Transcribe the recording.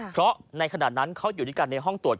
เพราะในขณะนั้นเขาอยู่ด้วยกันในห้องตรวจ